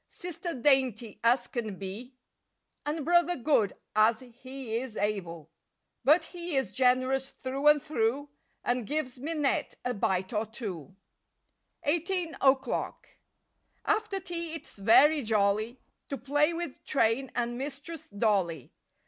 Sister dainty as can be, And Brother good as he is able. But he is generous through and through, And gives Minette a bite or two. 45 SEVENTEEN O'CLOCK 47 EIGHTEEN O'CLOCK 4ETER tea it's very jolly lTL To play with train and Mistress Dolly.